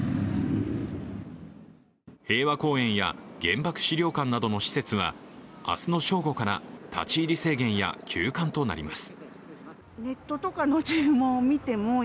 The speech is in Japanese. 平和公園や原爆資料館などの施設は明日の正午から立ち入り制限や休館となります。